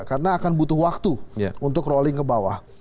karena akan butuh waktu untuk rolling ke bawah